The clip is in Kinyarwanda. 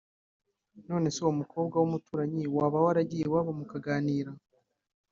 Nono se uwo mukobwa wumuturanyi waba waragiye iwabo mukaganira